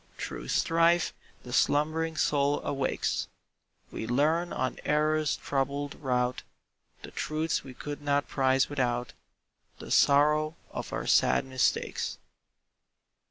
Through strife the slumbering soul awakes, We learn on error's troubled route The truths we could not prize without The sorrow of our sad mistakes.